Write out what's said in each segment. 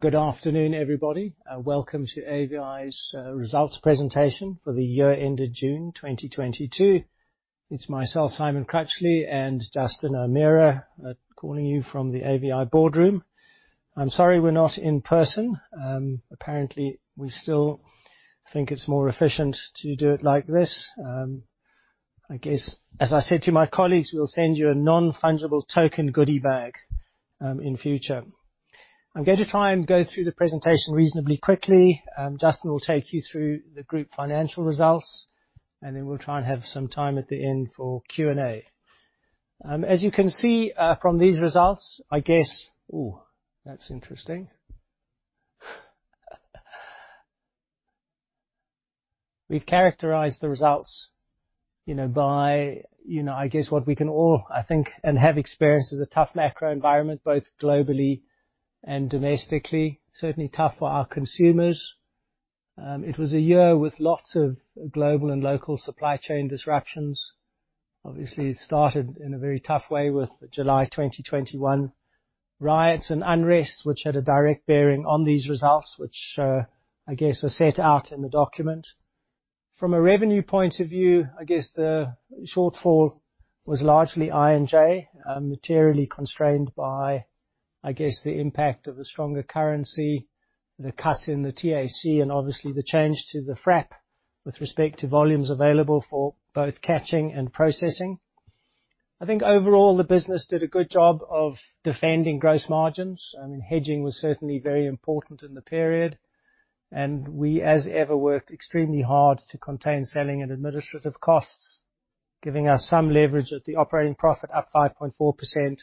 Good afternoon, everybody, and welcome to AVI's results presentation for the year ended June 2022. It's myself, Simon Crutchley, and Justin O'Meara calling you from the AVI boardroom. I'm sorry we're not in person. Apparently we still think it's more efficient to do it like this. I guess, as I said to my colleagues, we'll send you a non-fungible token goodie bag in future. I'm going to try and go through the presentation reasonably quickly. Justin will take you through the group financial results, and then we'll try and have some time at the end for Q&A. As you can see from these results, I guess. Ooh, that's interesting. We've characterized the results, you know, by, you know, I guess what we can all, I think, and have experienced as a tough macro environment, both globally and domestically. Certainly tough for our consumers. It was a year with lots of global and local supply chain disruptions. Obviously, it started in a very tough way with the July 2021 riots and unrest, which had a direct bearing on these results, which, I guess are set out in the document. From a revenue point of view, I guess the shortfall was largely I&J, materially constrained by, I guess, the impact of the stronger currency, the cut in the TAC, and obviously the change to the FRAP with respect to volumes available for both catching and processing. I think overall, the business did a good job of defending gross margins. I mean, hedging was certainly very important in the period, and we, as ever, worked extremely hard to contain selling and administrative costs, giving us some leverage at the operating profit up 5.4%.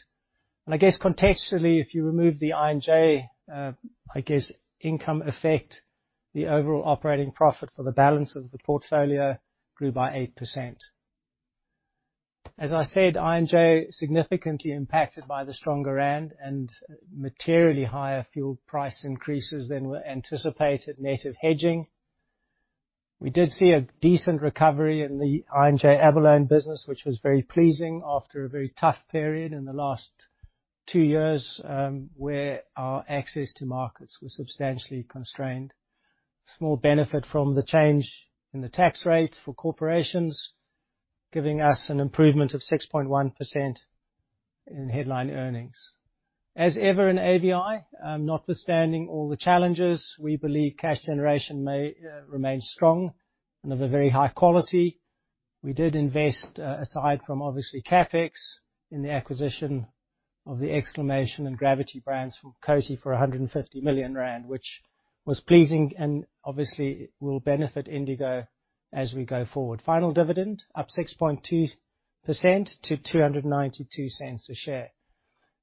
I guess contextually, if you remove the I&J, I guess, income effect, the overall operating profit for the balance of the portfolio grew by 8%. As I said, I&J significantly impacted by the stronger rand and materially higher fuel price increases than were anticipated net of hedging. We did see a decent recovery in the I&J abalone business, which was very pleasing after a very tough period in the last two years, where our access to markets was substantially constrained. Small benefit from the change in the tax rate for corporations, giving us an improvement of 6.1% in headline earnings. As ever in AVI, notwithstanding all the challenges, we believe cash generation may remain strong and of a very high quality. We did invest aside from obviously CapEx, in the acquisition of the Exclamation and Gravity brands from Kosi for 150 million rand, which was pleasing and obviously will benefit Indigo as we go forward. Final dividend up 6.2% to 2.92 a share.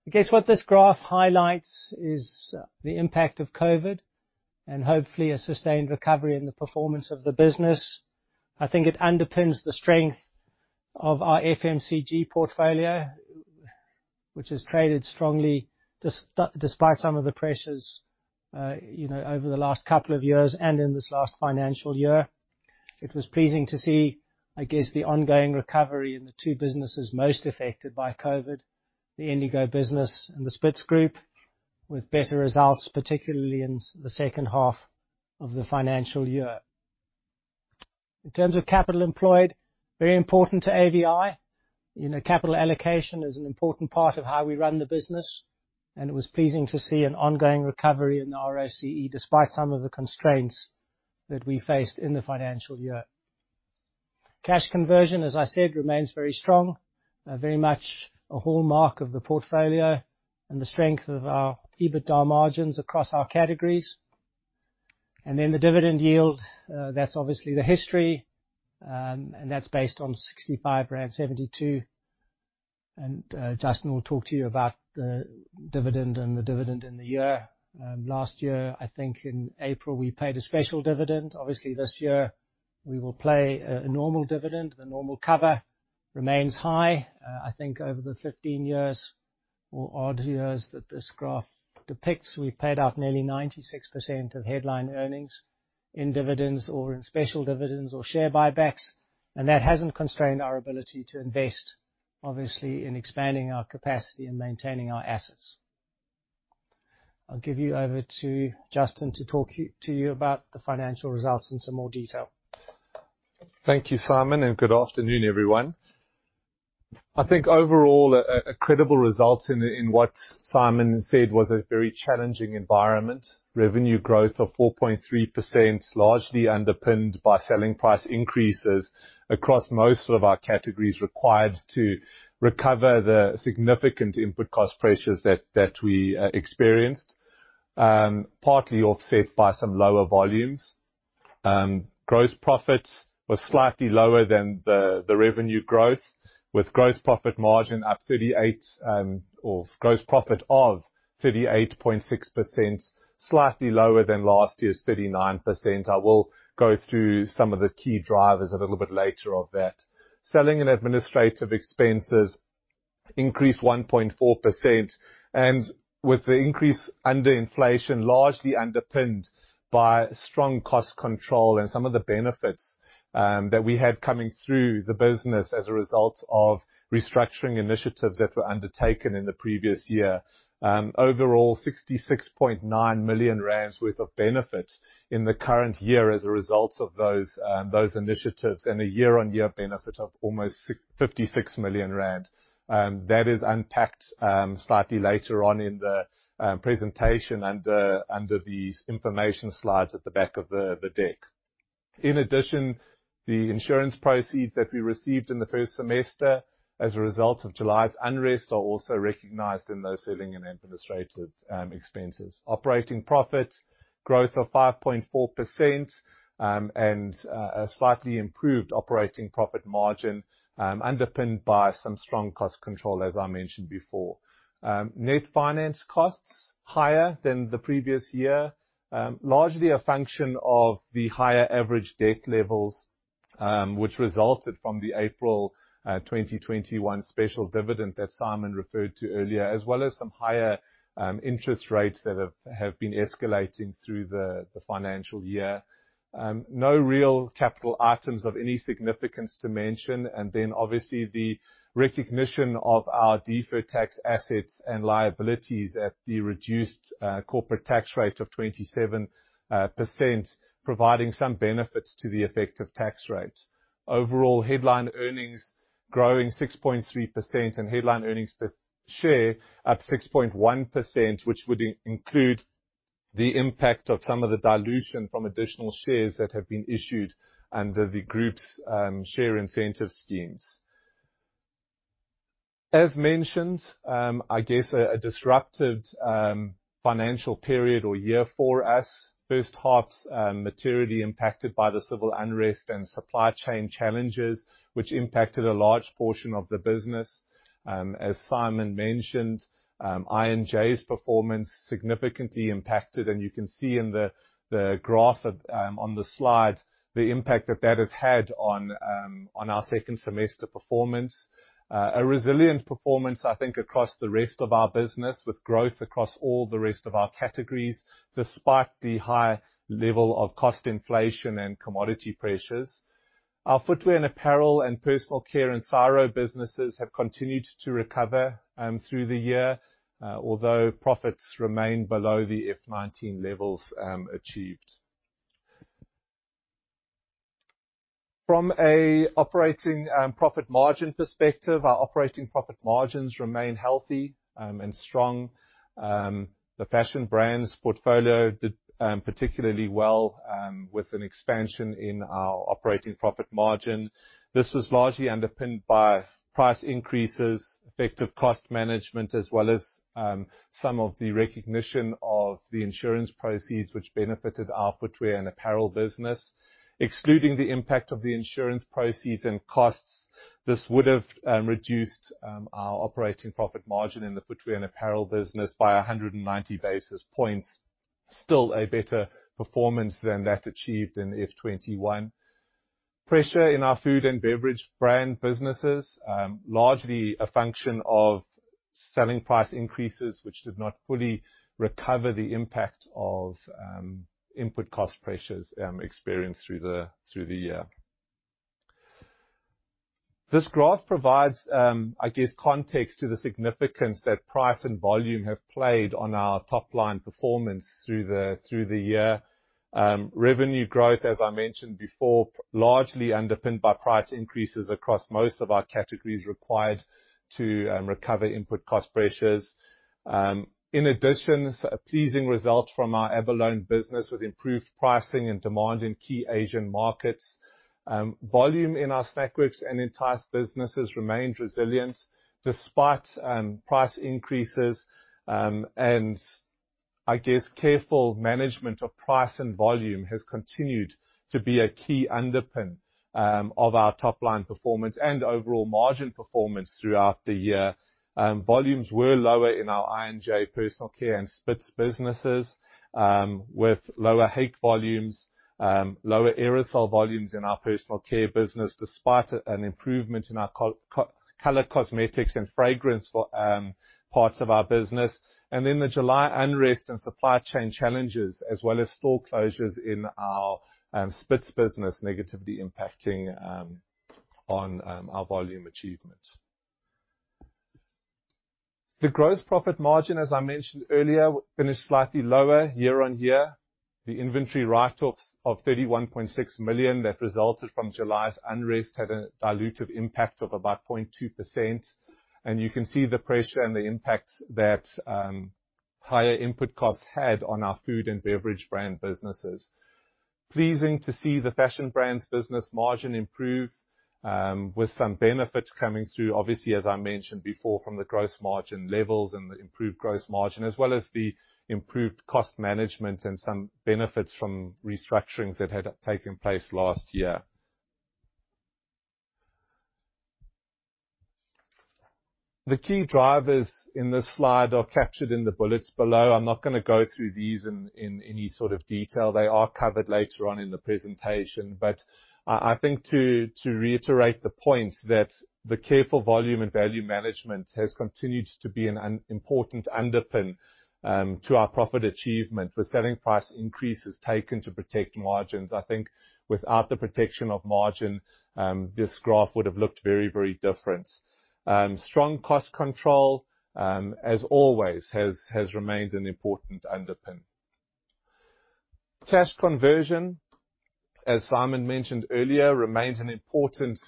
I guess what this graph highlights is the impact of COVID and hopefully a sustained recovery in the performance of the business. I think it underpins the strength of our FMCG portfolio, which has traded strongly despite some of the pressures, you know, over the last couple of years and in this last financial year. It was pleasing to see, I guess, the ongoing recovery in the two businesses most affected by COVID, the Indigo business and the Spitz Group, with better results, particularly in the second half of the financial year. In terms of capital employed, very important to AVI. You know, capital allocation is an important part of how we run the business, and it was pleasing to see an ongoing recovery in the ROCE, despite some of the constraints that we faced in the financial year. Cash conversion, as I said, remains very strong, very much a hallmark of the portfolio and the strength of our EBITDA margins across our categories. And then the dividend yield, that's obviously historic, and that's based on ZAR 65.72. Justin will talk to you about the dividend and the dividend in the year. Last year, I think in April, we paid a special dividend. Obviously, this year we will pay a normal dividend. The normal cover remains high. I think over the 15 years or so years that this graph depicts, we've paid out nearly 96% of headline earnings in dividends or in special dividends or share buybacks, and that hasn't constrained our ability to invest, obviously, in expanding our capacity and maintaining our assets. I'll hand you over to Justin to talk to you about the financial results in some more detail. Thank you, Simon, and good afternoon, everyone. I think overall, a credible result in what Simon said was a very challenging environment. Revenue growth of 4.3%, largely underpinned by selling price increases across most of our categories required to recover the significant input cost pressures that we experienced, partly offset by some lower volumes. Gross profits was slightly lower than the revenue growth with gross profit margin of 38.6%, slightly lower than last year's 39%. I will go through some of the key drivers a little bit later of that. Selling and administrative expenses increased 1.4%, and with the increase under inflation, largely underpinned by strong cost control and some of the benefits that we had coming through the business as a result of restructuring initiatives that were undertaken in the previous year. Overall 66.9 million rand worth of benefit in the current year as a result of those initiatives and a year-on-year benefit of almost 66 million rand that is unpacked slightly later on in the presentation under these information slides at the back of the deck. In addition, the insurance proceeds that we received in the first semester as a result of July's unrest are also recognized in those selling and administrative expenses. Operating profit growth of 5.4%, and a slightly improved operating profit margin, underpinned by some strong cost control, as I mentioned before. Net finance costs higher than the previous year, largely a function of the higher average debt levels, which resulted from the April 2021 special dividend that Simon referred to earlier, as well as some higher interest rates that have been escalating through the financial year. No real capital items of any significance to mention. Obviously the recognition of our deferred tax assets and liabilities at the reduced corporate tax rate of 27%, providing some benefits to the effective tax rate. Overall headline earnings growing 6.3% and headline earnings per share up 6.1%, which would include the impact of some of the dilution from additional shares that have been issued under the group's share incentive schemes. As mentioned, I guess a disrupted financial period or year for us. First half materially impacted by the civil unrest and supply chain challenges, which impacted a large portion of the business. As Simon mentioned, I&J's performance significantly impacted, and you can see in the graph on the slide the impact that has had on our second semester performance. A resilient performance, I think, across the rest of our business, with growth across all the rest of our categories, despite the high level of cost inflation and commodity pressures. Our footwear and apparel and personal care and Ciro businesses have continued to recover through the year, although profits remain below the FY 2019 levels achieved. From an operating profit margin perspective, our operating profit margins remain healthy and strong. The fashion brands portfolio did particularly well with an expansion in our operating profit margin. This was largely underpinned by price increases, effective cost management, as well as some of the recognition of the insurance proceeds, which benefited our footwear and apparel business. Excluding the impact of the insurance proceeds and costs, this would have reduced our operating profit margin in the footwear and apparel business by 190 basis points. Still a better performance than that achieved in FY 2021. Pressure in our food and beverage brand businesses, largely a function of selling price increases, which did not fully recover the impact of input cost pressures experienced through the year. This graph provides, I guess, context to the significance that price and volume have played on our top-line performance through the year. Revenue growth, as I mentioned before, largely underpinned by price increases across most of our categories required to recover input cost pressures. In addition, a pleasing result from our abalone business with improved pricing and demand in key Asian markets. Volume in our Snackworks and Entyce businesses remained resilient despite price increases. I guess careful management of price and volume has continued to be a key underpin of our top-line performance and overall margin performance throughout the year. Volumes were lower in our I&J personal care and Spitz businesses, with lower hake volumes, lower aerosol volumes in our personal care business, despite an improvement in our color cosmetics and fragrance for parts of our business. The July unrest and supply chain challenges as well as store closures in our Spitz business negatively impacting on our volume achievement. The gross profit margin, as I mentioned earlier, finished slightly lower year-on-year. The inventory write-offs of 31.6 million that resulted from July's unrest had a dilutive impact of about 0.2%. You can see the pressure and the impact that higher input costs had on our food and beverage brand businesses. Pleasing to see the fashion brands business margin improve, with some benefits coming through, obviously, as I mentioned before, from the gross margin levels and the improved gross margin as well as the improved cost management and some benefits from restructurings that had taken place last year. The key drivers in this slide are captured in the bullets below. I'm not gonna go through these in any sort of detail. They are covered later on in the presentation. I think to reiterate the point that the careful volume and value management has continued to be an important underpin to our profit achievement. With selling price increases taken to protect margins, I think without the protection of margin, this graph would have looked very, very different. Strong cost control, as always, has remained an important underpin. Cash conversion, as Simon mentioned earlier, remains an important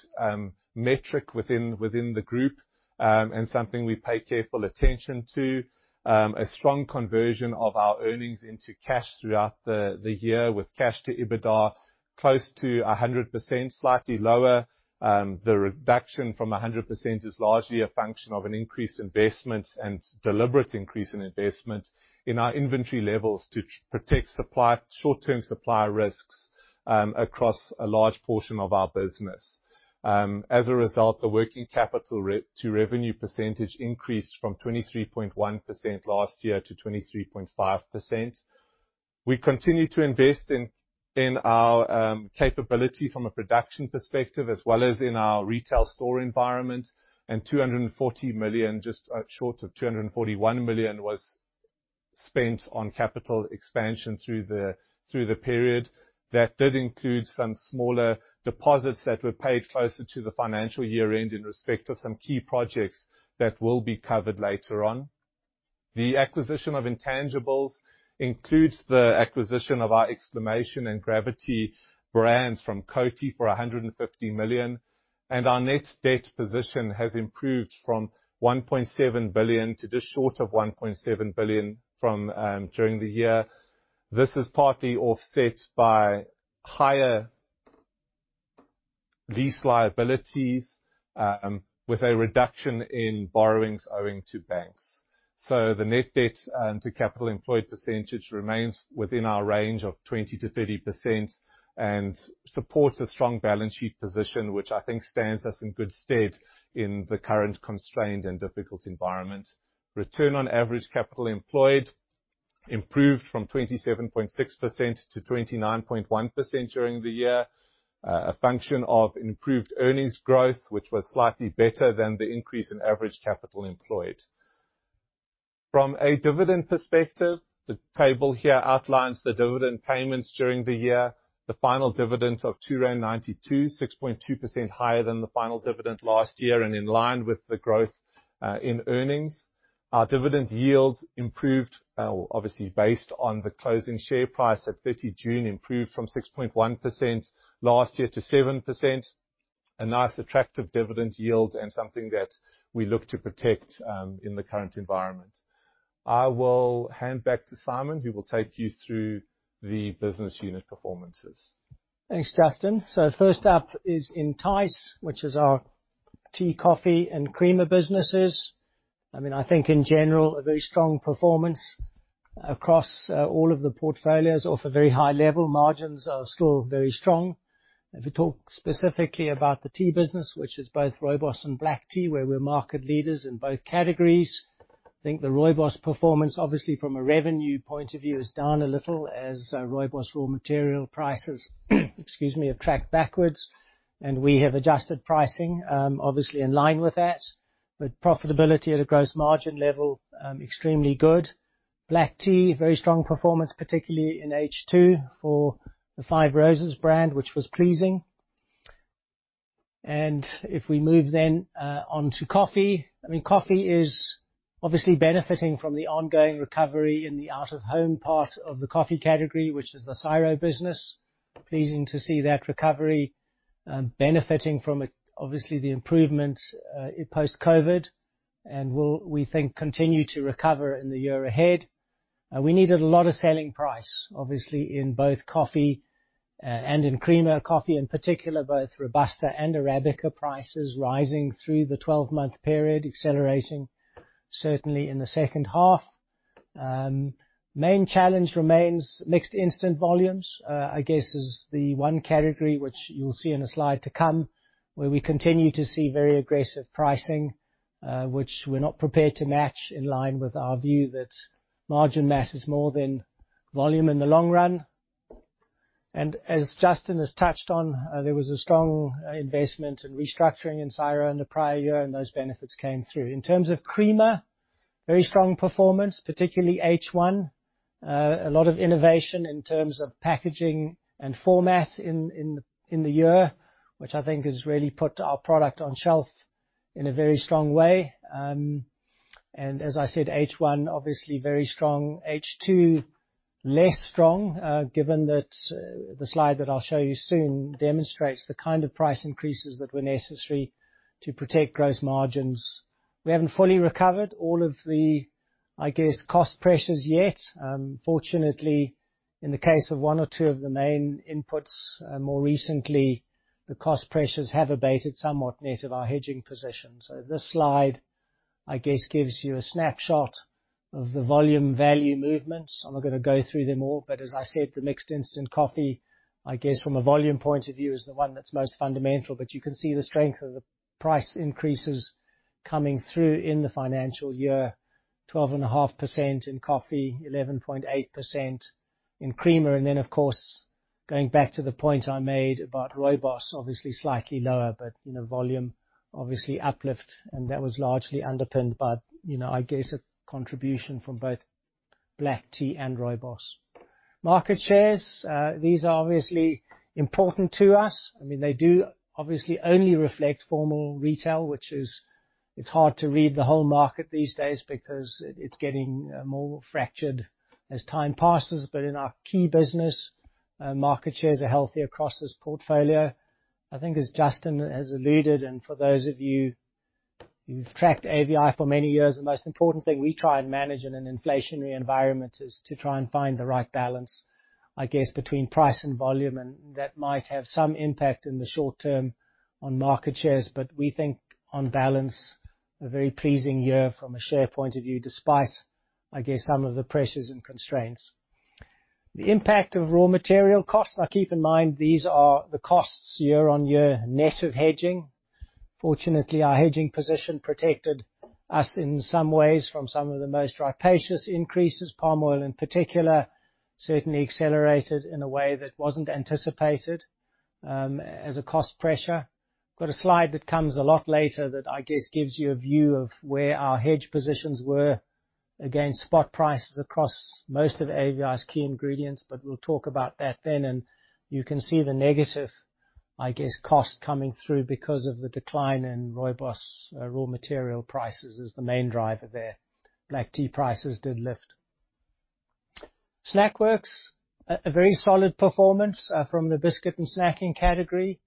metric within the group, and something we pay careful attention to. A strong conversion of our earnings into cash throughout the year with cash to EBITDA close to 100%, slightly lower. The reduction from 100% is largely a function of an increased investment and deliberate increase in investment in our inventory levels to protect against short-term supply risks across a large portion of our business. As a result, the working capital to revenue percentage increased from 23.1% last year to 23.5%. We continue to invest in our capability from a production perspective as well as in our retail store environment, and 240 million, just short of 241 million, was spent on capital expansion through the period. That did include some smaller deposits that were paid closer to the financial year-end in respect of some key projects that will be covered later on. The acquisition of intangibles includes the acquisition of our Exclamation and Gravity brands from Coty for 150 million, and our net debt position has improved from 1.7 billion to just short of 1.7 billion during the year. This is partly offset by higher lease liabilities with a reduction in borrowings owing to banks. The net debt to capital employed percentage remains within our range of 20% to 30% and supports a strong balance sheet position, which I think stands us in good stead in the current constrained and difficult environment. Return on average capital employed improved from 27.6% to 29.1% during the year. A function of improved earnings growth, which was slightly better than the increase in average capital employed. From a dividend perspective, the table here outlines the dividend payments during the year. The final dividend of 2.92 rand, 6.2% higher than the final dividend last year, and in line with the growth in earnings. Our dividend yield improved, obviously based on the closing share price at 30 June, improved from 6.1% last year to 7%.A nice, attractive dividend yield and something that we look to protect, in the current environment. I will hand back to Simon, who will take you through the business unit performances. Thanks, Justin. First up is Entyce, which is our tea, coffee, and creamer businesses. I mean, I think in general a very strong performance across all of the portfolios off a very high level. Margins are still very strong. If we talk specifically about the tea business, which is both rooibos and black tea, where we're market leaders in both categories, I think the rooibos performance, obviously from a revenue point of view, is down a little as rooibos raw material prices, excuse me, are tracking backwards. We have adjusted pricing obviously in line with that. Profitability at a gross margin level extremely good. Black tea, very strong performance, particularly in H2 for the Five Roses brand, which was pleasing. If we move onto coffee. I mean, coffee is obviously benefiting from the ongoing recovery in the out-of-home part of the coffee category, which is the Ciro business. Pleasing to see that recovery, benefiting from, obviously, the improvement, post-COVID, and, we think, will continue to recover in the year ahead. We needed a lot of selling price, obviously in both coffee, and in creamer coffee in particular, both Robusta and Arabica prices rising through the 12-month period, accelerating certainly in the second half. Main challenge remains mixed instant volumes, I guess is the one category which you'll see in a slide to come, where we continue to see very aggressive pricing, which we're not prepared to match, in line with our view that margins matter more than volume in the long run. As Justin has touched on, there was a strong investment in restructuring in Ciro in the prior year, and those benefits came through. In terms of creamer, very strong performance, particularly H1. A lot of innovation in terms of packaging and format in the year, which I think has really put our product on shelf in a very strong way. As I said, H1 obviously very strong. H2 less strong, given that the slide that I'll show you soon demonstrates the kind of price increases that were necessary to protect gross margins. We haven't fully recovered all of the, I guess, cost pressures yet. Fortunately, in the case of one or two of the main inputs, more recently, the cost pressures have abated somewhat net of our hedging position. This slide, I guess, gives you a snapshot of the volume value movements. I'm not gonna go through them all, but as I said, the mixed instant coffee, I guess, from a volume point of view, is the one that's most fundamental. You can see the strength of the price increases coming through in the financial year, 12.5% in coffee, 11.8% in creamer. Of course, going back to the point I made about rooibos, obviously slightly lower, but, you know, volume obviously uplift, and that was largely underpinned by, you know, I guess, a contribution from both black tea and rooibos. Market shares, these are obviously important to us. I mean, they do obviously only reflect formal retail, which is. It's hard to read the whole market these days because it's getting more fractured as time passes. In our key business, market shares are healthy across this portfolio. I think as Justin has alluded, and for those of you who've tracked AVI for many years, the most important thing we try and manage in an inflationary environment is to try and find the right balance, I guess, between price and volume, and that might have some impact in the short term on market shares. We think on balance, a very pleasing year from a share point of view, despite, I guess, some of the pressures and constraints. The impact of raw material costs. Now, keep in mind these are the costs year on year net of hedging. Fortunately, our hedging position protected us in some ways from some of the most rapacious increases. Palm oil in particular, certainly accelerated in a way that wasn't anticipated, as a cost pressure. Got a slide that comes a lot later that I guess gives you a view of where our hedge positions were against spot prices across most of AVI's key ingredients, but we'll talk about that then. You can see the negative, I guess, cost coming through because of the decline in rooibos raw material prices as the main driver there. Black tea prices did lift. Snackworks a very solid performance from the biscuit and snacking category.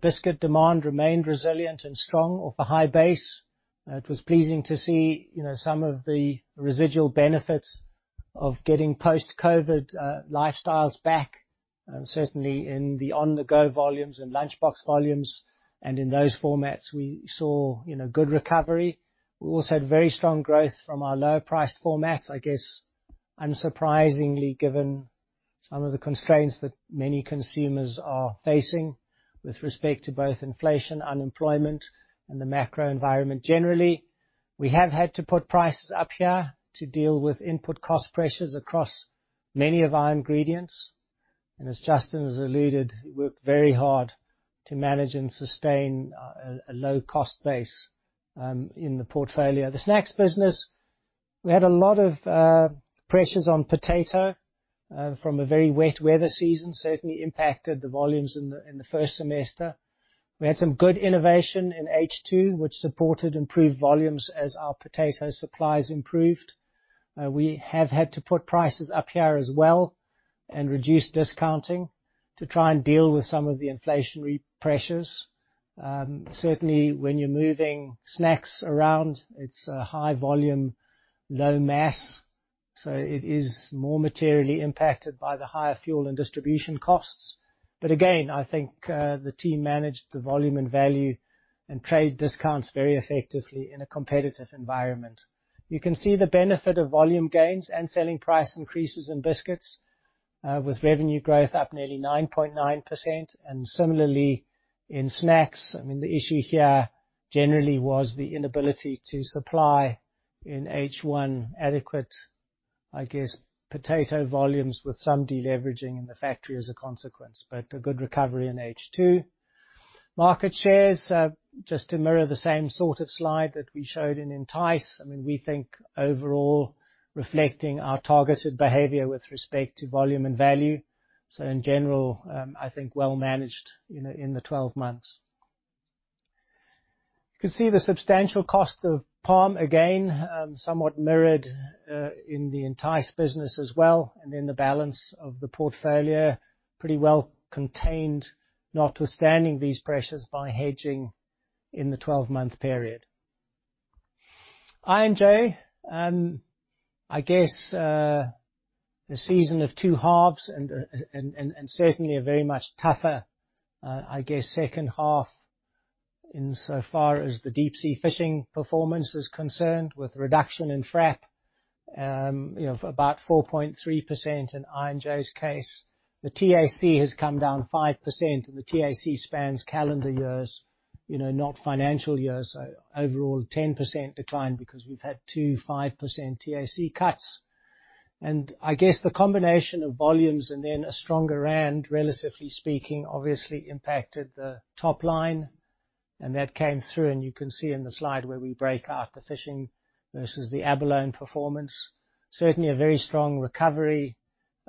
Biscuit demand remained resilient and strong off a high base. It was pleasing to see, you know, some of the residual benefits of getting post-COVID lifestyles back, certainly in the on-the-go volumes and lunchbox volumes. In those formats, we saw, you know, good recovery. We also had very strong growth from our lower priced formats, I guess, unsurprisingly given some of the constraints that many consumers are facing with respect to both inflation, unemployment and the macro environment generally. We have had to put prices up here to deal with input cost pressures across many of our ingredients. As Justin has alluded, we worked very hard to manage and sustain a low cost base in the portfolio. The snacks business, we had a lot of pressures on potato from a very wet weather season, certainly impacted the volumes in the first semester. We had some good innovation in H2, which supported improved volumes as our potato supplies improved. We have had to put prices up here as well and reduce discounting to try and deal with some of the inflationary pressures. Certainly when you're moving snacks around, it's a high volume, low mass, so it is more materially impacted by the higher fuel and distribution costs. Again, I think, the team managed the volume and value and trade discounts very effectively in a competitive environment. You can see the benefit of volume gains and selling price increases in biscuits, with revenue growth up nearly 9.9%, and similarly in snacks. I mean, the issue here generally was the inability to supply in H1 adequate, I guess, potato volumes with some deleveraging in the factory as a consequence. A good recovery in H2. Market shares just to mirror the same sort of slide that we showed in Entyce. I mean, we think overall reflecting our targeted behavior with respect to volume and value, so in general, I think well managed, you know, in the 12 months. You can see the substantial cost of palm oil and somewhat mirrored in the Entyce business as well. Then the balance of the portfolio pretty well contained notwithstanding these pressures by hedging in the 12-month period. I&J, I guess, the season of two halves and certainly a very much tougher, I guess, second half insofar as the deep sea fishing performance is concerned with reduction in FRAP, you know, about 4.3% in I&J's case. The TAC has come down 5%, and the TAC spans calendar years, you know, not financial years. Overall 10% decline because we've had two 5% TAC cuts. I guess the combination of volumes and then a stronger rand, relatively speaking, obviously impacted the top line, and that came through, and you can see in the slide where we break out the fishing versus the abalone performance. Certainly a very strong recovery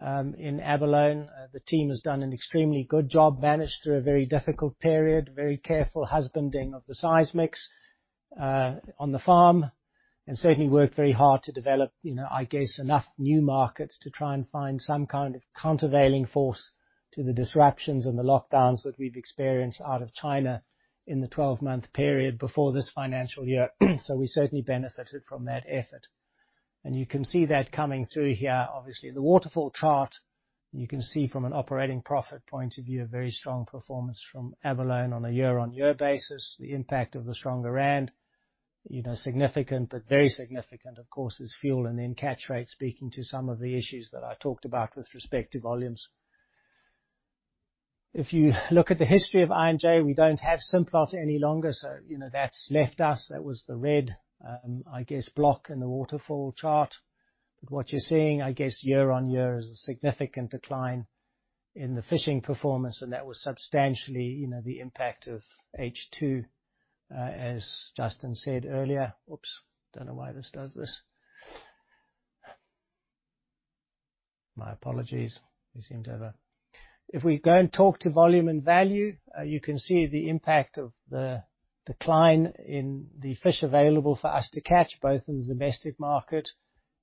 in abalone. The team has done an extremely good job, managed through a very difficult period, very careful husbanding of the size mix on the farm, and certainly worked very hard to develop, I guess, enough new markets to try and find some kind of countervailing force to the disruptions and the lockdowns that we've experienced out of China in the twelve-month period before this financial year. So we certainly benefited from that effort. You can see that coming through here. Obviously, the waterfall chart. You can see from an operating profit point of view, a very strong performance from abalone on a year-on-year basis. The impact of the stronger rand, you know, significant but very significant, of course, is fuel and then catch rates, speaking to some of the issues that I talked about with respect to volumes. If you look at the history of I&J, we don't have Simplot any longer, so you know, that's left us. That was the red, I guess, block in the waterfall chart. What you're seeing, I guess, year on year is a significant decline in the fishing performance, and that was substantially, you know, the impact of H2, as Justin said earlier. Oops. Don't know why this does this. My apologies. We seem to have a. If we go and talk to volume and value, you can see the impact of the decline in the fish available for us to catch, both in the domestic market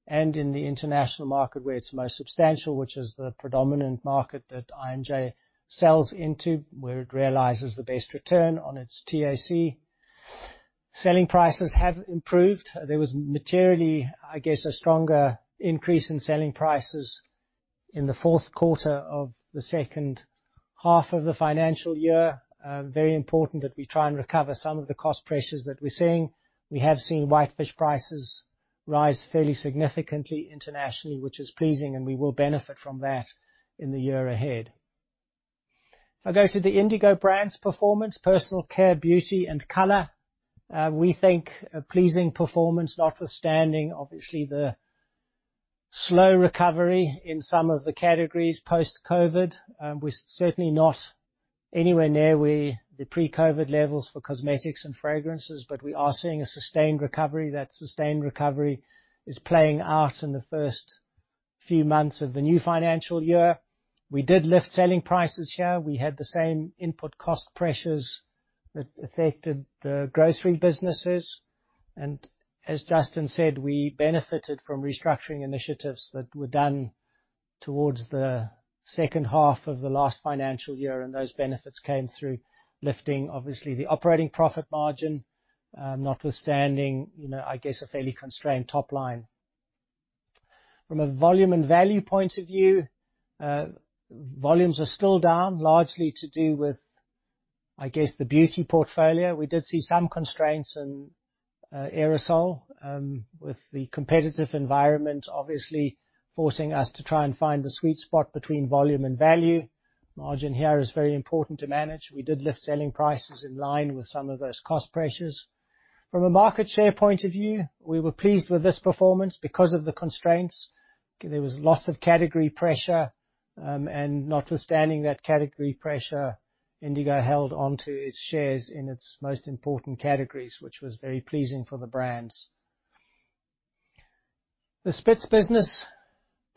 and in the international market, where it's most substantial, which is the predominant market that I&J sells into, where it realizes the best return on its TAC. Selling prices have improved. There was materially, I guess, a stronger increase in selling prices in the fourth quarter of the second half of the financial year. Very important that we try and recover some of the cost pressures that we're seeing. We have seen whitefish prices rise fairly significantly internationally, which is pleasing, and we will benefit from that in the year ahead. If I go to the Indigo Brands performance, personal care, beauty, and color, we think a pleasing performance, notwithstanding obviously the slow recovery in some of the categories post-COVID. We're certainly not anywhere near where the pre-COVID levels for cosmetics and fragrances, but we are seeing a sustained recovery. That sustained recovery is playing out in the first few months of the new financial year. We did lift selling prices here. We had the same input cost pressures that affected the grocery businesses. As Justin said, we benefited from restructuring initiatives that were done towards the second half of the last financial year, and those benefits came through lifting obviously the operating profit margin, notwithstanding, you know, I guess, a fairly constrained top line. From a volume and value point of view, volumes are still down, largely to do with, I guess, the beauty portfolio. We did see some constraints in aerosol with the competitive environment, obviously forcing us to try and find the sweet spot between volume and value. Margin here is very important to manage. We did lift selling prices in line with some of those cost pressures. From a market share point of view, we were pleased with this performance because of the constraints. There was lots of category pressure and notwithstanding that category pressure, Indigo held on to its shares in its most important categories, which was very pleasing for the brands. The Spitz business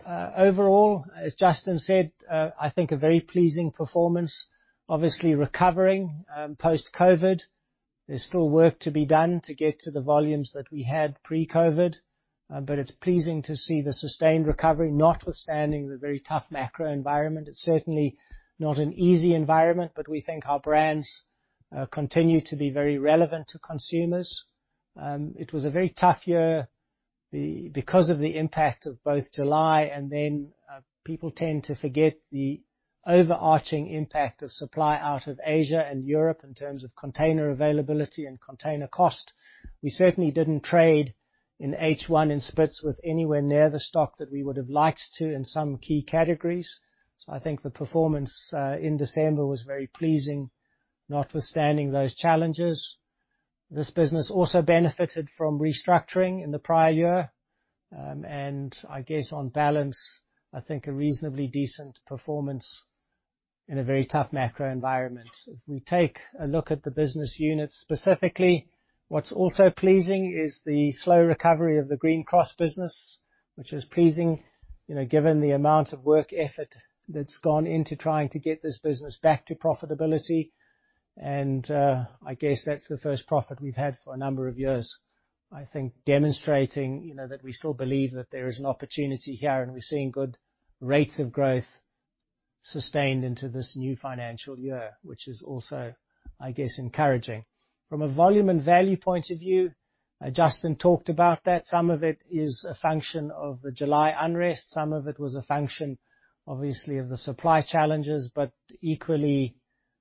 overall, as Justin said, I think a very pleasing performance, obviously recovering post-COVID. There's still work to be done to get to the volumes that we had pre-COVID, but it's pleasing to see the sustained recovery, notwithstanding the very tough macro environment. It's certainly not an easy environment, but we think our brands continue to be very relevant to consumers. It was a very tough year because of the impact of both July and then, people tend to forget the overarching impact of supply out of Asia and Europe in terms of container availability and container cost. We certainly didn't trade in H1 in Spitz with anywhere near the stock that we would have liked to in some key categories. I think the performance in December was very pleasing, notwithstanding those challenges. This business also benefited from restructuring in the prior year. I guess on balance, I think a reasonably decent performance in a very tough macro environment. If we take a look at the business units specifically, what's also pleasing is the slow recovery of the Green Cross business, which is pleasing, you know, given the amount of work effort that's gone into trying to get this business back to profitability. I guess that's the first profit we've had for a number of years. I think demonstrating, you know, that we still believe that there is an opportunity here, and we're seeing good rates of growth sustained into this new financial year, which is also, I guess, encouraging. From a volume and value point of view, Justin talked about that. Some of it is a function of the July unrest, some of it was a function, obviously, of the supply challenges, but equally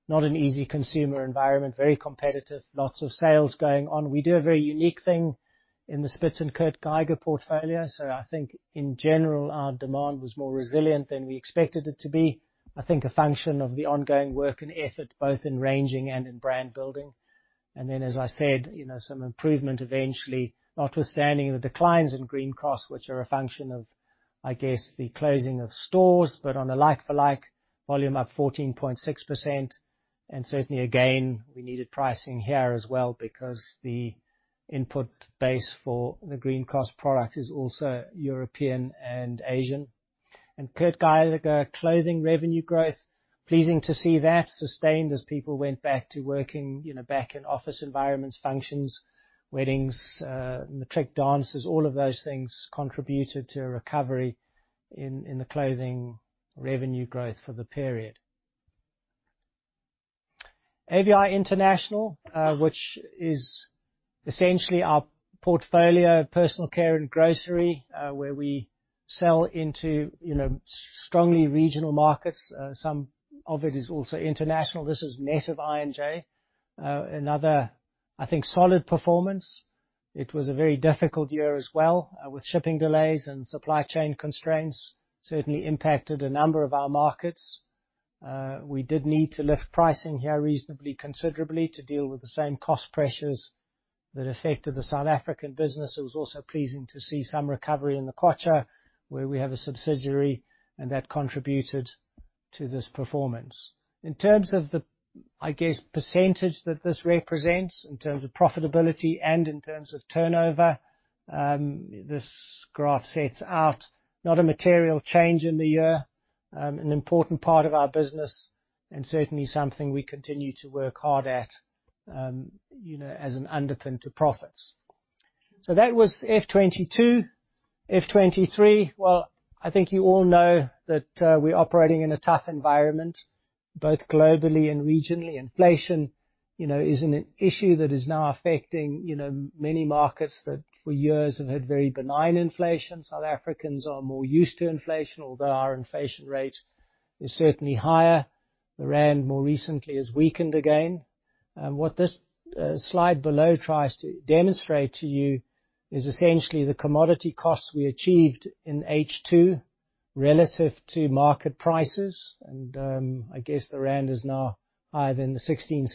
not an easy consumer environment, very competitive, lots of sales going on. We do a very unique thing in the Spitz and Kurt Geiger portfolio, so I think in general, our demand was more resilient than we expected it to be. I think a function of the ongoing work and effort, both in ranging and in brand building. Then, as I said, you know, some improvement eventually, notwithstanding the declines in Green Cross, which are a function of, I guess, the closing of stores, but on a like-for-like volume up 14.6%. Certainly, again, we needed pricing here as well because the input base for the Green Cross product is also European and Asian. Kurt Geiger clothing revenue growth, pleasing to see that sustained as people went back to working, you know, back in office environments, functions, weddings, matric dances, all of those things contributed to a recovery in the clothing revenue growth for the period. AVI International, which is essentially our portfolio of personal care and grocery, where we sell into, you know, strongly regional markets. Some of it is also international. This is net of I&J. Another, I think, solid performance. It was a very difficult year as well, with shipping delays and supply chain constraints certainly impacted a number of our markets. We did need to lift pricing here reasonably considerably to deal with the same cost pressures that affected the South African business. It was also pleasing to see some recovery in the Eswatini, where we have a subsidiary, and that contributed to this performance. In terms of the, I guess, percentage that this represents, in terms of profitability and in terms of turnover, this graph sets out not a material change in the year, an important part of our business, and certainly something we continue to work hard at, you know, as an underpin to profits. That was FY22. FY23, well, I think you all know that, we're operating in a tough environment, both globally and regionally. Inflation, you know, isn't an issue that is now affecting, you know, many markets that for years have had very benign inflation. South Africans are more used to inflation, although our inflation rate is certainly higher. The rand, more recently, has weakened again. What this slide below tries to demonstrate to you is essentially the commodity costs we achieved in H2 relative to market prices. I guess the rand is now higher than the 16.67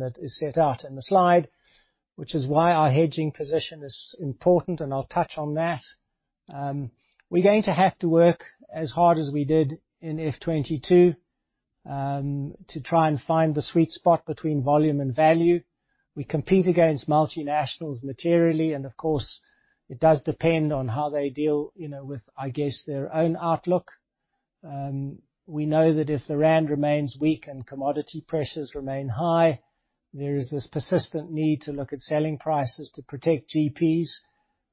that is set out in the slide, which is why our hedging position is important, and I'll touch on that. We're going to have to work as hard as we did in FY22 to try and find the sweet spot between volume and value. We compete against multinationals materially, and of course, it does depend on how they deal, you know, with, I guess, their own outlook. We know that if the rand remains weak and commodity pressures remain high, there is this persistent need to look at selling prices to protect GPs.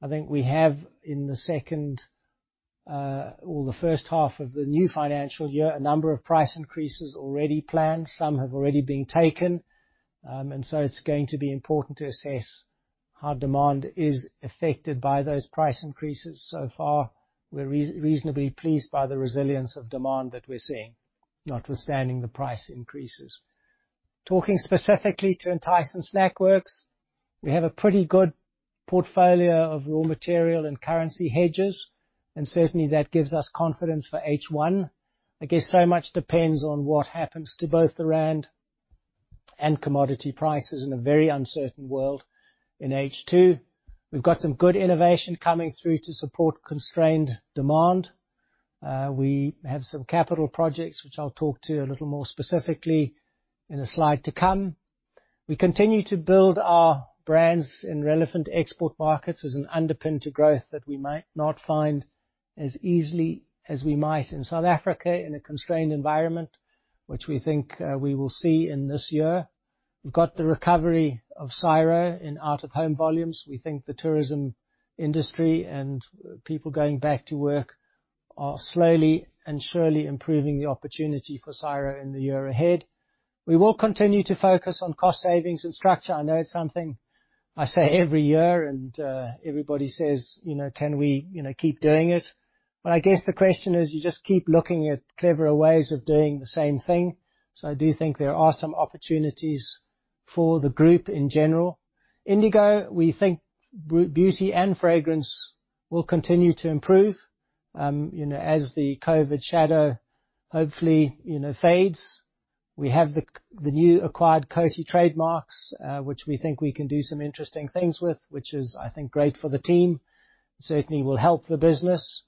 I think we have, in the second, or the first half of the new financial year, a number of price increases already planned. Some have already been taken. It's going to be important to assess how demand is affected by those price increases. So far, we're reasonably pleased by the resilience of demand that we're seeing, notwithstanding the price increases. Talking specifically to Entyce and Snackworks, we have a pretty good portfolio of raw material and currency hedges, and certainly that gives us confidence for H1. I guess so much depends on what happens to both the rand and commodity prices in a very uncertain world. In H2, we've got some good innovation coming through to support constrained demand. We have some capital projects, which I'll talk to a little more specifically in a slide to come. We continue to build our brands in relevant export markets as an underpin to growth that we might not find as easily as we might in South Africa in a constrained environment, which we think we will see in this year. We've got the recovery of Ciro in out-of-home volumes. We think the tourism industry and people going back to work are slowly and surely improving the opportunity for Ciro in the year ahead. We will continue to focus on cost savings and structure. I know it's something I say every year, and everybody says, you know, "Can we, you know, keep doing it?" I guess the question is, you just keep looking at cleverer ways of doing the same thing. I do think there are some opportunities for the group in general. Indigo, we think beauty and fragrance will continue to improve, you know, as the COVID shadow, hopefully, you know, fades. We have the new acquired Coty trademarks, which we think we can do some interesting things with, which is, I think, great for the team. Certainly will help the business.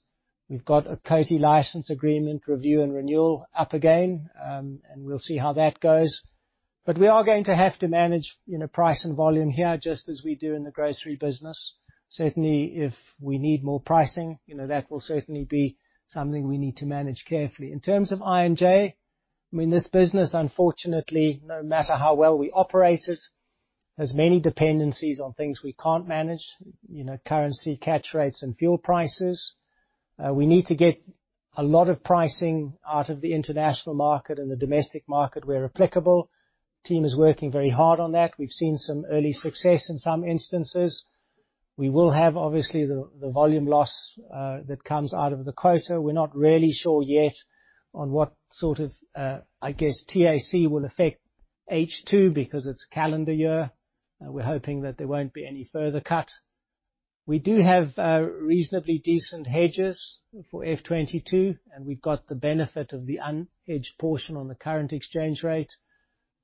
We've got a Coty license agreement review and renewal up again, and we'll see how that goes. We are going to have to manage, you know, price and volume here just as we do in the grocery business. Certainly, if we need more pricing, you know, that will certainly be something we need to manage carefully. In terms of I&J, I mean, this business, unfortunately, no matter how well we operate it, has many dependencies on things we can't manage. You know, currency catch rates and fuel prices. We need to get a lot of pricing out of the international market and the domestic market where applicable. Team is working very hard on that. We've seen some early success in some instances. We will have, obviously, the volume loss that comes out of the quota. We're not really sure yet on what sort of, I guess, TAC will affect H2 because it's calendar year. We're hoping that there won't be any further cut. We do have reasonably decent hedges for F22, and we've got the benefit of the unhedged portion on the current exchange rate.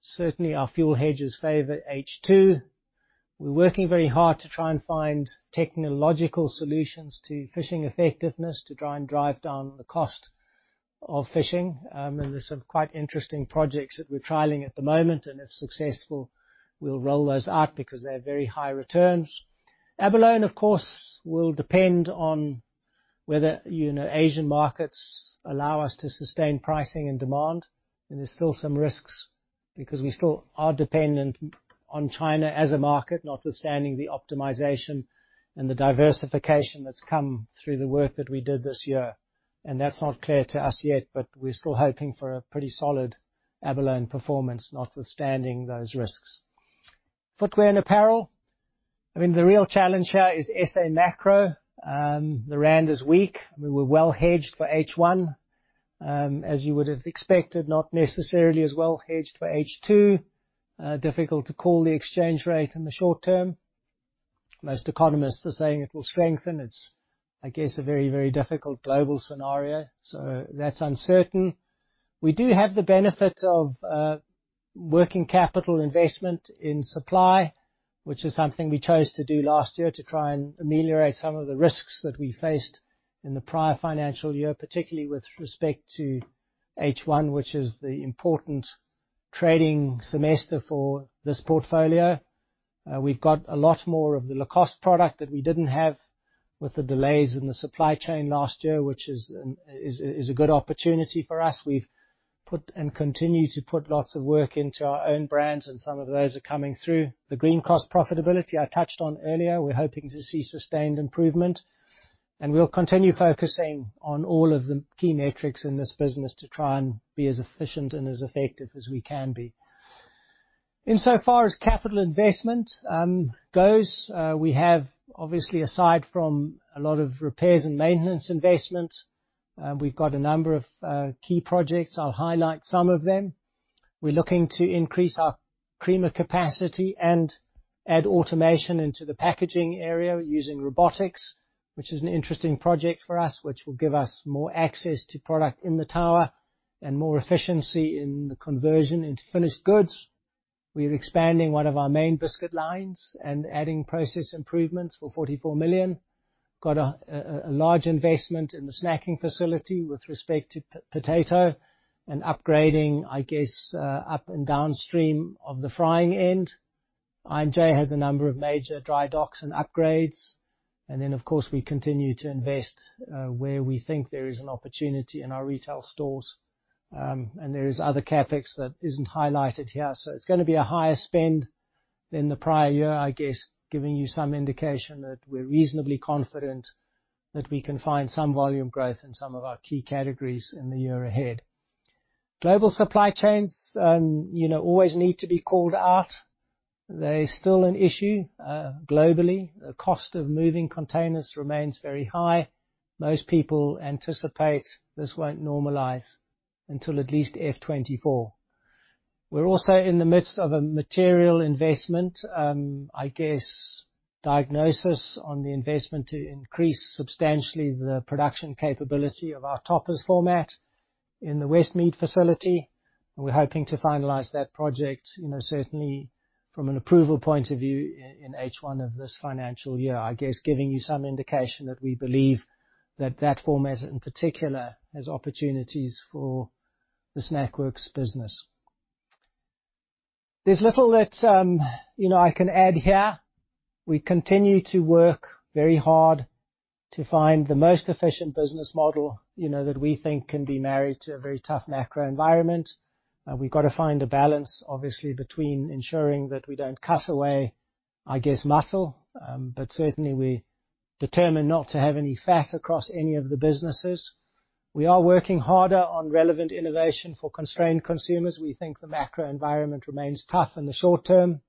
Certainly, our fuel hedges favor H2. We're working very hard to try and find technological solutions to fishing effectiveness to try and drive down the cost of fishing. There's some quite interesting projects that we're trialing at the moment, and if successful, we'll roll those out because they have very high returns. Abalone, of course, will depend on whether, you know, Asian markets allow us to sustain pricing and demand. That's not clear to us yet, but we're still hoping for a pretty solid abalone performance, notwithstanding those risks. Footwear and apparel, I mean, the real challenge here is SA macro. The rand is weak. We were well hedged for H1, as you would have expected. Not necessarily as well hedged for H2. Difficult to call the exchange rate in the short term. Most economists are saying it will strengthen. It's, I guess, a very, very difficult global scenario, so that's uncertain. We do have the benefit of working capital investment in supply, which is something we chose to do last year to try and ameliorate some of the risks that we faced in the prior financial year, particularly with respect to H1, which is the important trading semester for this portfolio. We've got a lot more of the low-cost product that we didn't have with the delays in the supply chain last year, which is a good opportunity for us. We've put and continue to put lots of work into our own brands, and some of those are coming through. The green cost profitability I touched on earlier, we're hoping to see sustained improvement. We'll continue focusing on all of the key metrics in this business to try and be as efficient and as effective as we can be. Insofar as capital investment goes, we have obviously, aside from a lot of repairs and maintenance investments, we've got a number of key projects. I'll highlight some of them. We're looking to increase our creamer capacity and add automation into the packaging area using robotics, which is an interesting project for us, which will give us more access to product in the tower and more efficiency in the conversion into finished goods. We're expanding one of our main biscuit lines and adding process improvements for 44 million. Got a large investment in the snacking facility with respect to potato and upgrading, I guess, up and downstream of the frying end. I&J has a number of major dry docks and upgrades. Of course, we continue to invest where we think there is an opportunity in our retail stores. There is other CapEx that isn't highlighted here. It's gonna be a higher spend than the prior year, I guess, giving you some indication that we're reasonably confident that we can find some volume growth in some of our key categories in the year ahead. Global supply chains, you know, always need to be called out. They're still an issue globally. The cost of moving containers remains very high. Most people anticipate this won't normalize until at least F 2024. We're also in the midst of a material investment, I guess diagnosis on the investment to increase substantially the production capability of our toppers format in the Westmead facility. We're hoping to finalize that project, you know, certainly from an approval point of view in H1 of this financial year. I guess giving you some indication that we believe that that format in particular has opportunities for the Snackworks business. There's little that, you know, I can add here. We continue to work very hard to find the most efficient business model, you know, that we think can be married to a very tough macro environment. We've got to find a balance, obviously, between ensuring that we don't cut away, I guess, muscle, but certainly we're determined not to have any fat across any of the businesses. We are working harder on relevant innovation for constrained consumers. We think the macro environment remains tough in the short term.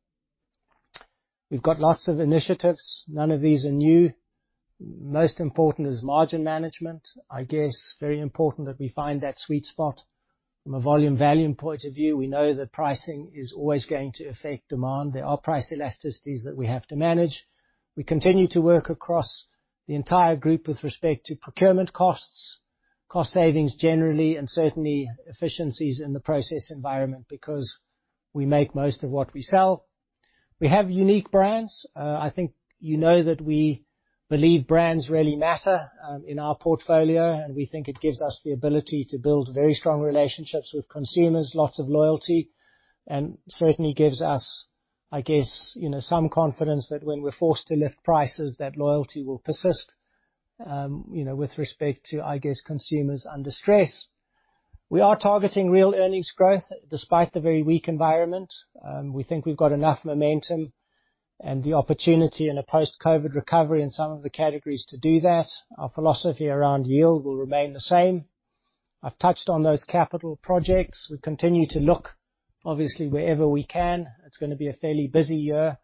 We've got lots of initiatives. None of these are new. Most important is margin management. I guess very important that we find that sweet spot. From a volume value point of view, we know that pricing is always going to affect demand. There are price elasticities that we have to manage. We continue to work across the entire group with respect to procurement costs, cost savings generally, and certainly efficiencies in the process environment because we make most of what we sell. We have unique brands. I think you know that we believe brands really matter, in our portfolio, and we think it gives us the ability to build very strong relationships with consumers, lots of loyalty, and certainly gives us, I guess, you know, some confidence that when we're forced to lift prices, that loyalty will persist, you know, with respect to, I guess, consumers under stress. We are targeting real earnings growth despite the very weak environment. We think we've got enough momentum and the opportunity in a post-COVID recovery in some of the categories to do that. Our philosophy around yield will remain the same. I've touched on those capital projects. We continue to look, obviously, wherever we can. It's gonna be a fairly busy year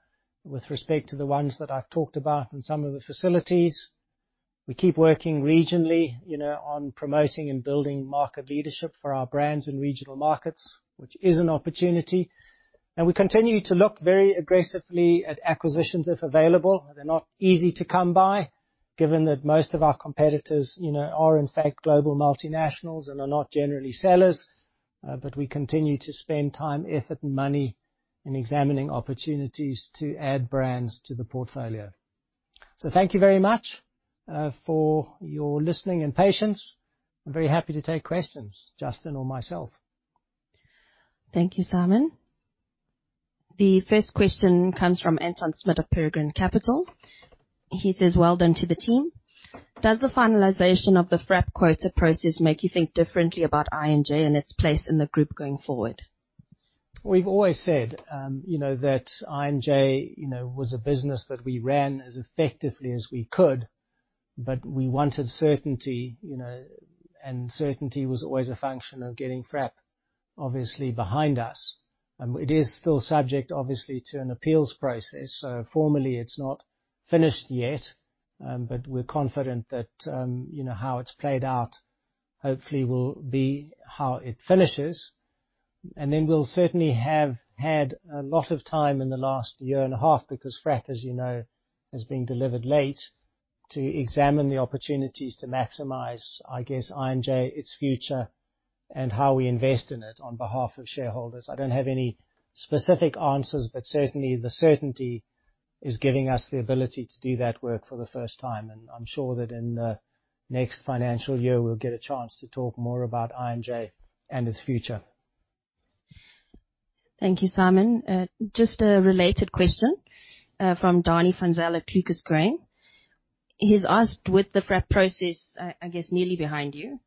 with respect to the ones that I've talked about and some of the facilities. We keep working regionally, you know, on promoting and building market leadership for our brands in regional markets, which is an opportunity. We continue to look very aggressively at acquisitions if available. They're not easy to come by, given that most of our competitors, you know, are in fact global multinationals and are not generally sellers. But we continue to spend time, effort, and money in examining opportunities to add brands to the portfolio. Thank you very much, for your listening and patience. I'm very happy to take questions, Justin or myself. Thank you, Simon. The first question comes from Anton Smit of Peregrine Capital. He says, "Well done to the team. Does the finalization of the FRAP quota process make you think differently about I&J and its place in the group going forward? We've always said, you know, that I&J, you know, was a business that we ran as effectively as we could, but we wanted certainty, you know, and certainty was always a function of getting FRAP obviously behind us. It is still subject, obviously, to an appeals process. Formally, it's not finished yet, but we're confident that, you know, how it's played out hopefully will be how it finishes. Then we'll certainly have had a lot of time in the last year and a half because FRAP, as you know, has been delivered late to examine the opportunities to maximize, I guess, I&J, its future, and how we invest in it on behalf of shareholders. I don't have any specific answers, but certainly, the certainty is giving us the ability to do that work for the first time, and I'm sure that in the next financial year, we'll get a chance to talk more about I&J and its future. Thank you, Simon. Just a related question from Danie van Zyl at Clucas Gray. He's asked with the FRAP process, I guess nearly behind you,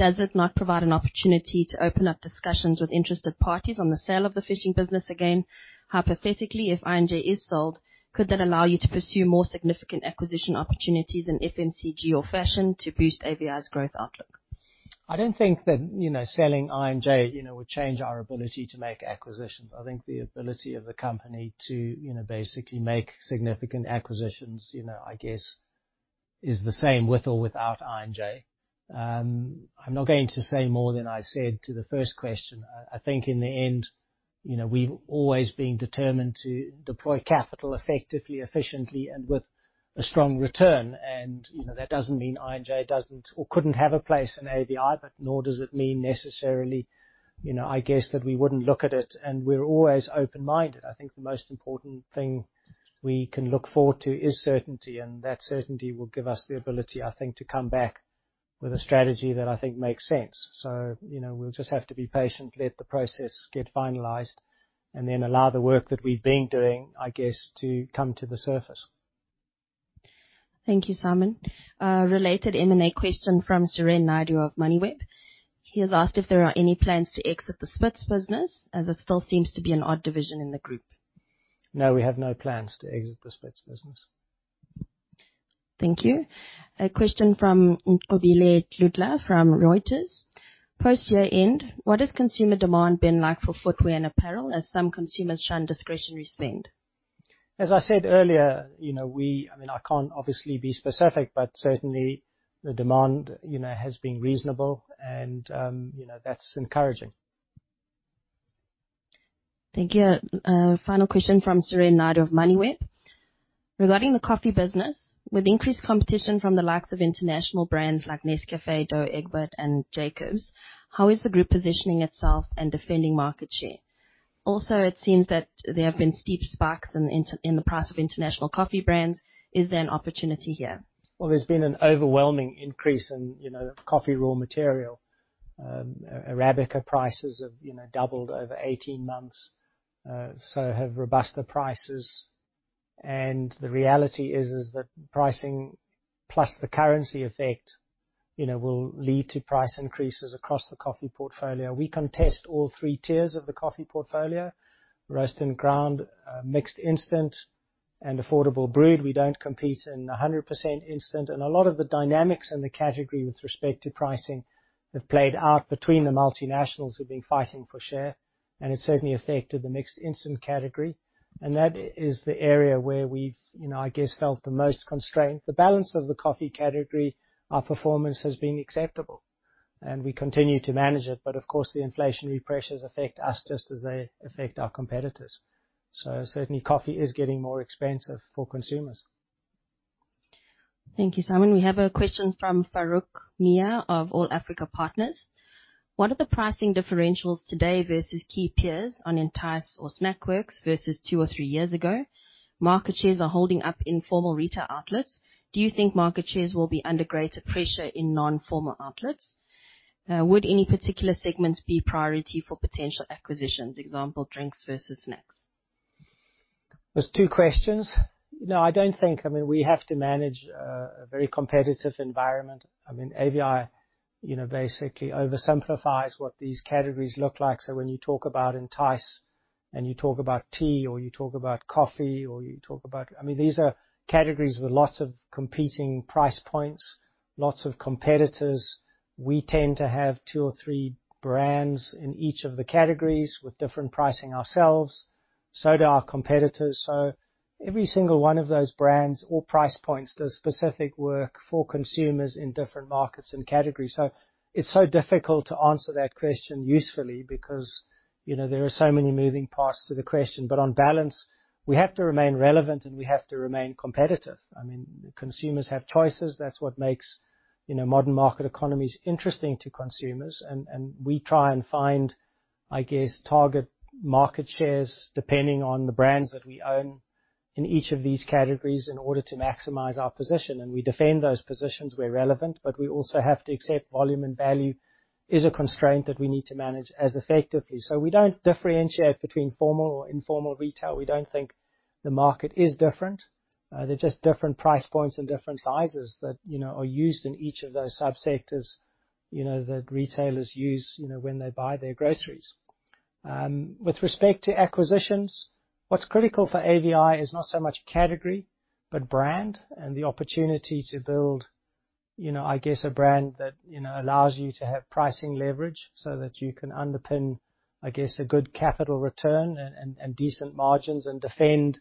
does it not provide an opportunity to open up discussions with interested parties on the sale of the fishing business again? Hypothetically, if I&J is sold, could that allow you to pursue more significant acquisition opportunities in FMCG or fashion to boost AVI's growth outlook? I don't think that, you know, selling I&J, you know, would change our ability to make acquisitions. I think the ability of the company to, you know, basically make significant acquisitions, you know, I guess is the same with or without I&J. I'm not going to say more than I said to the first question. I think in the end, you know, we've always been determined to deploy capital effectively, efficiently, and with a strong return. You know, that doesn't mean I&J doesn't or couldn't have a place in AVI, but nor does it mean necessarily, you know, I guess, that we wouldn't look at it, and we're always open-minded. I think the most important thing we can look forward to is certainty, and that certainty will give us the ability, I think, to come back with a strategy that I think makes sense. you know, we'll just have to be patient, let the process get finalized, and then allow the work that we've been doing, I guess, to come to the surface. Thank you, Simon. Related M&A question from Suren Naidoo of Moneyweb. He has asked if there are any plans to exit the Spitz business, as it still seems to be an odd division in the group. No, we have no plans to exit the Spitz business. Thank you. A question from Nqobile Dludla from Reuters. Post-year end, what has consumer demand been like for footwear and apparel, as some consumers shun discretionary spend? As I said earlier, you know, I mean, I can't obviously be specific, but certainly the demand, you know, has been reasonable and, you know, that's encouraging. Thank you. Final question from Suren Naidoo of Moneyweb. Regarding the coffee business, with increased competition from the likes of international brands like Nescafé, Douwe Egbert, and Jacobs, how is the group positioning itself and defending market share? Also, it seems that there have been steep spikes in the price of international coffee brands. Is there an opportunity here? Well, there's been an overwhelming increase in, you know, coffee raw material. Arabica prices have, you know, doubled over 18 months, so have Robusta prices. The reality is that pricing plus the currency effect, you know, will lead to price increases across the coffee portfolio. We contest all three tiers of the coffee portfolio: roast and ground, mixed instant, and affordable brew. We don't compete in 100% instant. A lot of the dynamics in the category with respect to pricing have played out between the multinationals who've been fighting for share, and it certainly affected the mixed instant category. That is the area where we've, you know, I guess, felt the most constrained. The balance of the coffee category, our performance has been acceptable and we continue to manage it. Of course, the inflationary pressures affect us just as they affect our competitors. Certainly, coffee is getting more expensive for consumers. Thank you, Simon. We have a question from Farouk Miah of All Africa Partners. What are the pricing differentials today versus key peers on Entyce or Snackworks versus two or three years ago? Market shares are holding up in formal retail outlets. Do you think market shares will be under greater pressure in non-formal outlets? Would any particular segments be priority for potential acquisitions, example, drinks versus snacks? There's two questions. No, I don't think. I mean, we have to manage a very competitive environment. I mean, AVI, you know, basically oversimplifies what these categories look like. When you talk about Entyce and you talk about tea or you talk about coffee. I mean, these are categories with lots of competing price points, lots of competitors. We tend to have two or three brands in each of the categories with different pricing ourselves, so do our competitors. Every single one of those brands or price points does specific work for consumers in different markets and categories. It's so difficult to answer that question usefully because, you know, there are so many moving parts to the question. On balance, we have to remain relevant and we have to remain competitive. I mean, consumers have choices. That's what makes, you know, modern market economies interesting to consumers. We try and find, I guess, target market shares depending on the brands that we own in each of these categories in order to maximize our position. We defend those positions where relevant, but we also have to accept volume and value is a constraint that we need to manage as effectively. We don't differentiate between formal or informal retail. We don't think the market is different. They're just different price points and different sizes that, you know, are used in each of those subsectors. You know, that retailers use, you know, when they buy their groceries. With respect to acquisitions, what's critical for AVI is not so much category, but brand and the opportunity to build, you know, I guess, a brand that, you know, allows you to have pricing leverage so that you can underpin, I guess, a good capital return and decent margins and defend,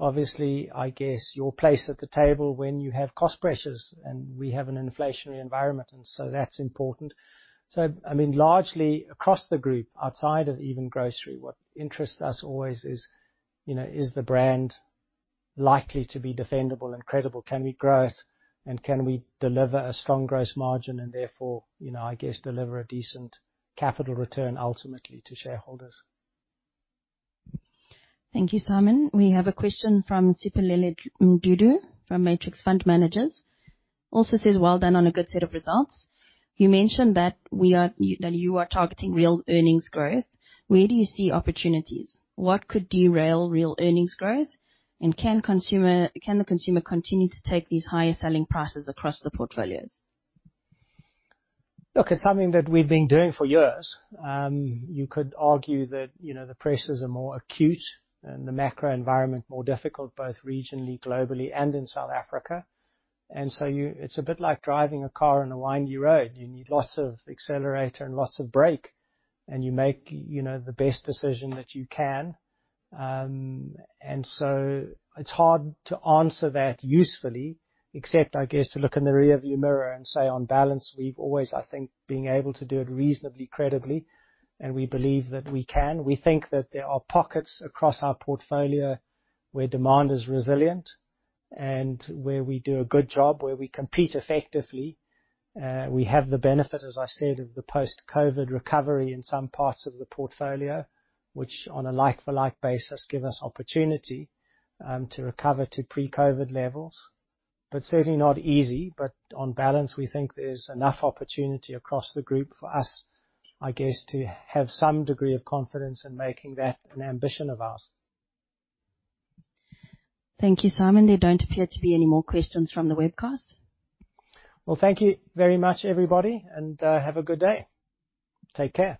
obviously, I guess, your place at the table when you have cost pressures, and we have an inflationary environment, and so that's important. I mean, largely across the group, outside of even grocery, what interests us always is, you know, is the brand likely to be defendable and credible? Can we growth, and can we deliver a strong growth margin and therefore, you know, I guess, deliver a decent capital return ultimately to shareholders? Thank you, Simon. We have a question from Siphelele Mdudu from Matrix Fund Managers. Also says well done on a good set of results. You mentioned that you are targeting real earnings growth. Where do you see opportunities? What could derail real earnings growth? Can the consumer continue to take these higher selling prices across the portfolios? Look, it's something that we've been doing for years. You could argue that, you know, the prices are more acute and the macro environment more difficult, both regionally, globally and in South Africa. It's a bit like driving a car on a windy road. You need lots of accelerator and lots of brake, and you make, you know, the best decision that you can. It's hard to answer that usefully except, I guess, to look in the rearview mirror and say, on balance, we've always, I think, been able to do it reasonably credibly, and we believe that we can. We think that there are pockets across our portfolio where demand is resilient and where we do a good job, where we compete effectively. We have the benefit, as I said, of the post-COVID recovery in some parts of the portfolio, which, on a like-for-like basis, give us opportunity to recover to pre-COVID levels. Certainly not easy. On balance, we think there's enough opportunity across the group for us, I guess, to have some degree of confidence in making that an ambition of ours. Thank you, Simon. There don't appear to be any more questions from the webcast. Well, thank you very much, everybody, and have a good day. Take care.